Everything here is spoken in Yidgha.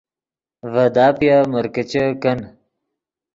ڤے داپیف مرکیچے کن